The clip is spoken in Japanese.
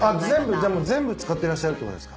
じゃあもう全部使ってらっしゃるってことですか？